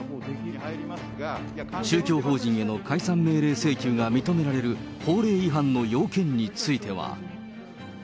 宗教法人への解散命令請求が認められる法令違反の要件については。